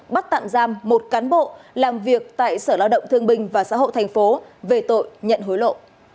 bắt tạm giam một cán bộ làm việc tại sở lao động thương bình và xã hội thành phố về tội nhận hối lộ